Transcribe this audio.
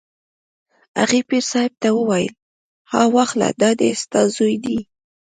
هغې پیر صاحب ته وویل: ها واخله دا دی ستا زوی دی.